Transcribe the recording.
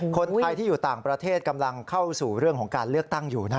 คนไทยที่อยู่ต่างประเทศกำลังเข้าสู่เรื่องของการเลือกตั้งอยู่นะ